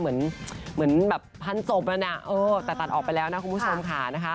เหมือนแบบพันศ์ศพคนนะแต่ตัดออกไปแล้วนะคุณผู้ชมคะ